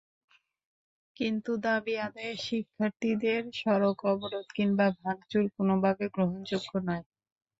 কিন্তু দাবি আদায়ে শিক্ষার্থীদের সড়ক অবরোধ কিংবা ভাঙচুর কোনোভাবে গ্রহণযোগ্য নয়।